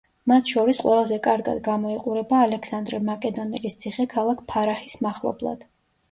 მათ შორის ყველაზე კარგად გამოიყურება ალექსანდრე მაკედონელის ციხე ქალაქ ფარაჰის მახლობლად.